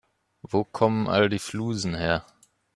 Wo kommen all die Flusen her?